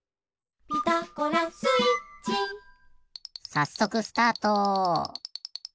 さっそくスタート！